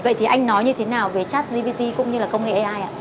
vậy thì anh nói như thế nào về chat gpt cũng như là công nghệ ai ạ